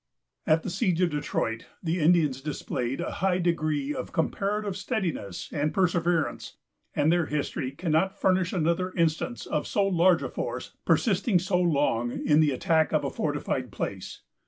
At the siege of Detroit, the Indians displayed a high degree of comparative steadiness and perseverance; and their history cannot furnish another instance of so large a force persisting so long in the attack of a fortified place.